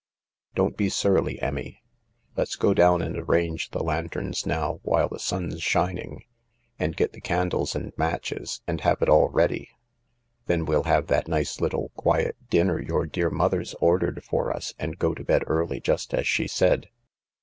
Don't be surly, Emmy ; let's go down and arrange the lanterns now while the sun's shining, and get the candles and matches and have it all ready. Then we'll have that nice little quiet dinner your dear mother's ordered for us, and go to bed early just as she said.